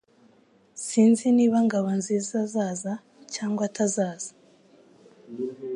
Sinzi niba Ngabonziza azaza cyangwa atazaza